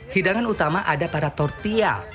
hidangan utama ada pada tortilla